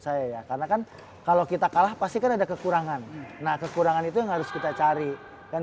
saya ya karena kan kalau kita kalah pasti kan ada kekurangan nah kekurangan itu harus kita cari kan